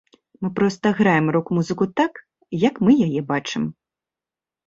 Мы проста граем рок-музыку так, як мы яе бачым.